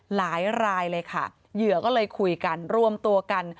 หลายรายเลยค่ะเหยื่อก็เลยคุยกันรวมตัวกัน